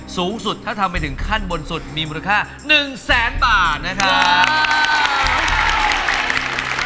สูงสุดถ้าทำไปถึงขั้นบนสุดมีมูลค่า๑แสนบาทนะครับ